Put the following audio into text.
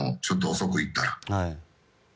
ちょっと遅く行ったら。